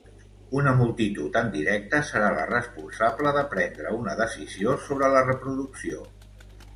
Una multitud en directe serà la responsable de prendre una decisió sobre la reproducció.